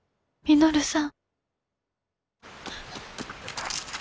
稔さん。